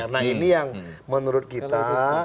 nah ini yang menurut kita